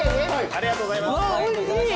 ありがとうございます。